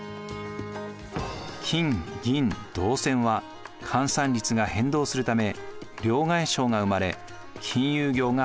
金・銀・銅銭は換算率が変動するため両替商が生まれ金融業が発達。